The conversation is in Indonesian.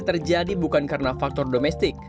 terjadi bukan karena faktor domestik